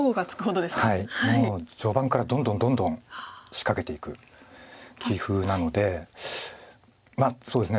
もう序盤からどんどんどんどん仕掛けていく棋風なのでそうですね